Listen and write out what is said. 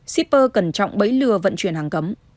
shipper cần trọng bẫy lừa vận chuyển hàng cấm